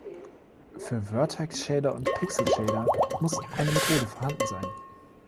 Für Vertex-Shader und Pixel-Shader muss eine Methode vorhanden sein.